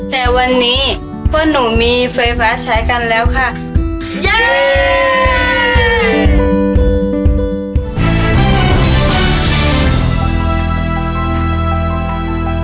แต่วันนี้พวกหนูมีไฟฟ้าใช้กันแล้วค่ะยัง